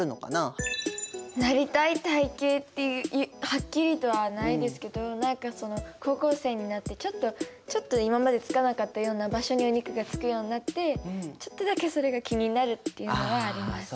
なりたい体型ってはっきりとはないですけど何かその高校生になってちょっとちょっと今までつかなかったような場所にお肉がつくようになってちょっとだけそれが気になるっていうのはあります。